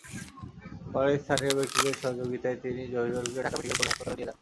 পরে স্থানীয় ব্যক্তিদের সহযোগিতায় তিনি জহিরুলকে ঢাকা মেডিকেল কলেজ হাসপাতালে নিয়ে যান।